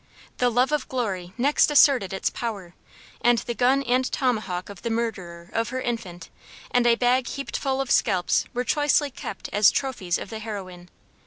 The love of glory next asserted its power; and the gun and tomahawk of the murderer of her infant, and a bag heaped full of scalps were choicely kept as trophies of the heroine.